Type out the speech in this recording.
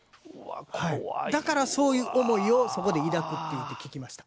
怖いわだからそういう思いをそこで抱くっていうて聞きました